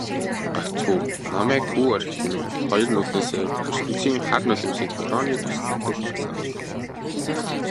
"Гагцхүү намайг бүү орхи" хэмээн хоёр нүднээсээ ертөнцийн хар нулимсыг борооны дусал адил асгаруулна.